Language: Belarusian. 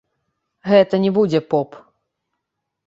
Гэта не будзе поп.